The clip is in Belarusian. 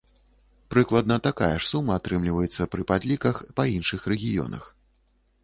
Прыкладна такая ж сума атрымліваецца пры падліках па іншых рэгіёнах.